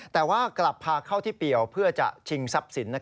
แต่ว่ากลับพาเข้าที่เปี่ยวเพื่อจะชิงทรัพย์สิน